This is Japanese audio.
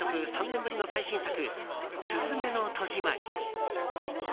３年ぶりの最新作「すずめの戸締まり」。